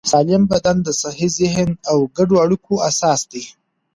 سالم بدن د صحي ذهن او ګډو اړیکو اساس دی.